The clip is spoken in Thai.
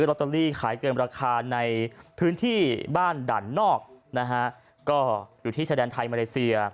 ลอตเตอรี่ขายเกินราคาในพื้นที่บ้านด่านนอกนะฮะก็อยู่ที่ชายแดนไทยมาเลเซีย